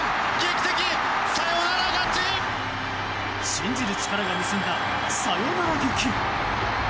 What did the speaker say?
信じる力が結んだサヨナラ劇。